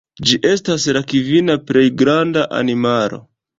Ĝi estas la kvina plej granda animalo.